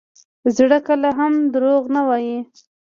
زړه کله هم دروغ نه وایي.